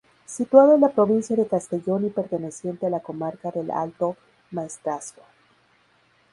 Situado en la provincia de Castellón y perteneciente a la comarca del Alto Maestrazgo.